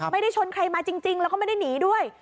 ไม่ได้ชนใครมาจริงแล้วก็ไม่ได้หนีด้วย